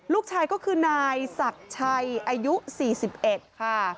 ลูกชายก็คือนายศักดิ์ชัยอายุ๔๑ค่ะ